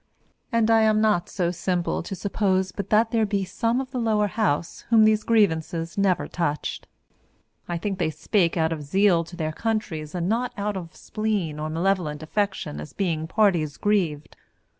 And I am not so simple to suppose but that there be some of the Lower House whom these grievances never touched. I think they spake out of zeal to their countries and not out of spleen or malevolent affection as being parties grieved.